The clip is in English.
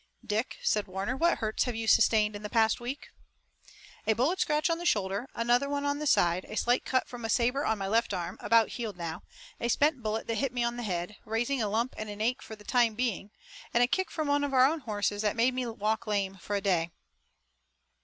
"Dick," said Warner, "what hurts have you sustained in the past week?" "A bullet scratch on the shoulder, another on the side, a slight cut from a saber on my left arm, about healed now, a spent bullet that hit me on the head, raising a lump and ache for the time being, and a kick from one of our own horses that made me walk lame for a day."